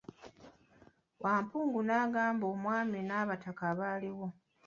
Wampungu n'agamba omwami n'abataka abaaliwo .